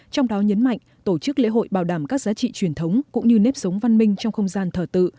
trong đó nhấn mạnh tổ chức lễ hội bảo đảm các giá trị truyền thống cũng như nếp sống văn minh trong không gian thờ tự